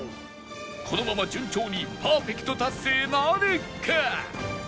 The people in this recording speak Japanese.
このまま順調にパーフェクト達成なるか！？